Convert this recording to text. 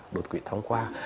đột quỵ thông qua